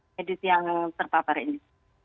medis yang terpapar ini